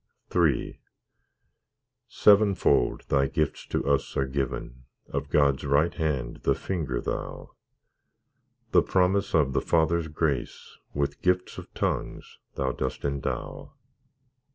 III Sevenfold Thy gifts to us are given, Of God's right hand the Finger Thou; The promise of the Father's grace, With gifts of tongues, Thou dost endow.